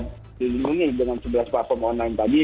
peduli lindungi dengan sebelah platform online tadi